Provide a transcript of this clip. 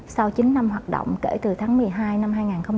sau chín năm hoạt động kể từ tháng một mươi hai năm hai nghìn một mươi tám